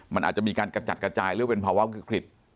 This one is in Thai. มันอาจจะมีการกระจัดกระจายหรือเป็นภาวะวิกฤต